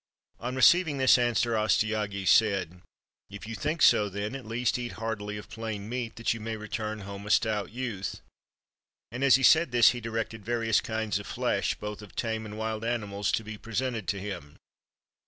On receiving this answer Astyages said: " If you think so, then, at least eat heartily of plain meat, that you may return home a stout youth"; and as he said this, he directed various kinds of flesh, both of tame and wild animals, to be presented to him.